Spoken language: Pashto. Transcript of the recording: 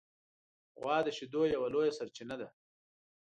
غوا د شیدو یوه لویه سرچینه ده.